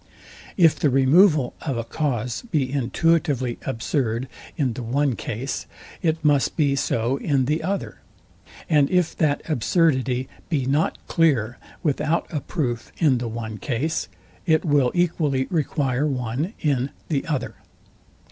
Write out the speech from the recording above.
If the removal of a cause be intuitively absurd in the one case, it must be so in the other: And if that absurdity be not clear without a proof in the one case, it will equally require one in the other.